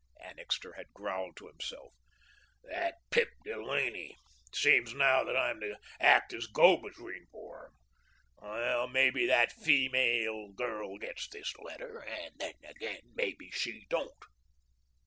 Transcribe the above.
"Huh!" Annixter had growled to himself, "that pip Delaney. Seems now that I'm to act as go between for 'em. Well, maybe that feemale girl gets this letter, and then, again, maybe she don't."